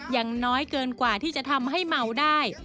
อย่างน้อยเกินกว่าที่จะทำให้เมาได้